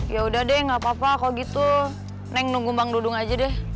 yaudah deh gapapa kalo gitu neng nunggu bang dudung aja deh